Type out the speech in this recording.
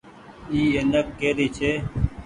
اي اينڪ ڪري ڇي۔